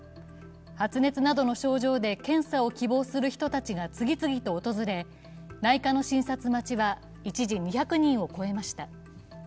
発熱などの症状で検査を希望する人たちが次々と訪れ、内科の診察待ちは一時２００人を超えました。